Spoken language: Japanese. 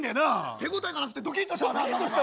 手応えがなくてドキッとしたわな。